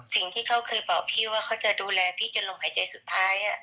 สิ่งที่เขาเคยบอกพี่ว่าเขาจะดูแลพี่จนลมหายใจสุดท้าย